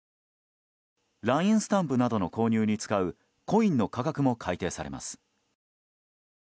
スタンプなどの購入に使うコインの価格も改訂されます。